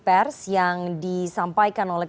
pers yang disampaikan oleh